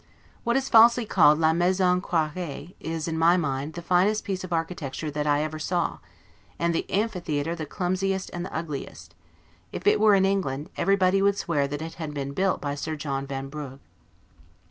What is falsely called 'la maison quarree', is, in my mind, the finest piece of architecture that I ever saw; and the amphitheater the clumsiest and the ugliest: if it were in England, everybody would swear it had been built by Sir John Vanbrugh.